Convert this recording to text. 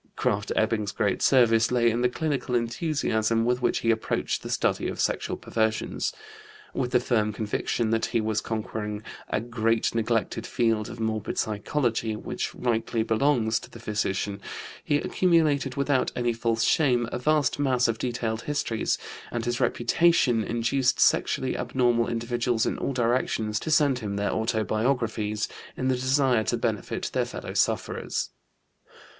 Krafft Ebing's great service lay in the clinical enthusiasm with which he approached the study of sexual perversions. With the firm conviction that he was conquering a great neglected field of morbid psychology which rightly belongs to the physician, he accumulated without any false shame a vast mass of detailed histories, and his reputation induced sexually abnormal individuals in all directions to send him their autobiographies, in the desire to benefit their fellow sufferers.